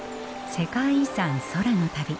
世界遺産空の旅。